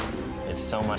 ini terlihat sangat bagus